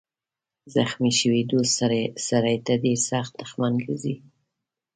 زخمي شوی دوست سړی ته ډېر سخت دښمن ګرځي.